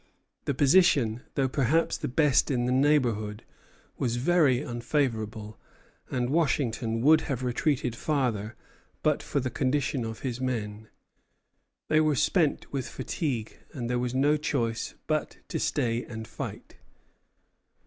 The position, though perhaps the best in the neighborhood, was very unfavorable, and Washington would have retreated farther, but for the condition of his men. They were spent with fatigue, and there was no choice but to stay and fight.